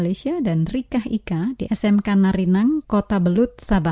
hanya dalam damai tuhan ku terima